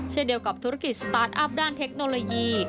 เช่นเดียวกับธุรกิจสตาร์ทอัพด้านเทคโนโลยี